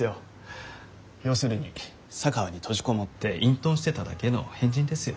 要するに佐川に閉じこもって隠とんしてただけの変人ですよ。